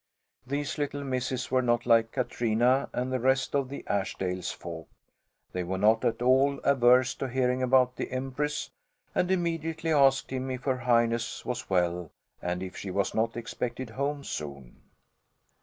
These little misses were not like Katrina and the rest of the Ashdales folk. They were not at all averse to hearing about the Empress and immediately asked him if Her Highness was well and if she was not expected home soon.